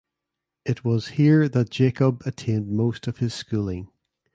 It was here that Jacob attained most of his schooling.